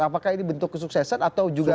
apakah ini bentuk kesuksesan atau juga